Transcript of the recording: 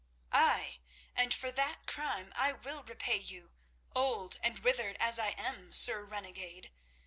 "Ay, and for that crime I will repay you, old and withered as I am, Sir Renegade.